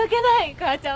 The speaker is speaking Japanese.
邦ちゃん！